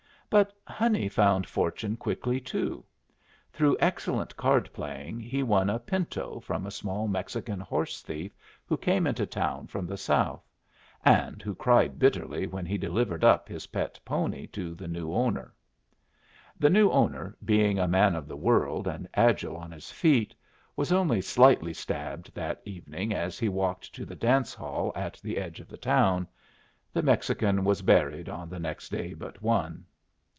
But Honey found fortune quickly, too. Through excellent card playing he won a pinto from a small Mexican horse thief who came into town from the South, and who cried bitterly when he delivered up his pet pony to the new owner. The new owner, being a man of the world and agile on his feet, was only slightly stabbed that evening as he walked to the dance hall at the edge of the town. The Mexican was buried on the next day but one.